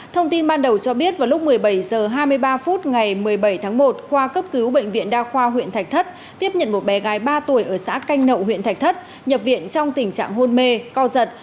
thông tin ban đầu cho biết vào lúc một mươi bảy h hai mươi ba phút ngày một mươi bảy tháng một khoa cấp cứu bệnh viện đa khoa huyện thạch thất tiếp nhận một bé gái ba tuổi ở xã canh nậu huyện thạch thất nhập viện trong tình trạng hôn mê co giật